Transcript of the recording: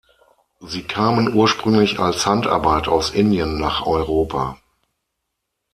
Sie kamen ursprünglich als Handarbeit aus Indien nach Europa.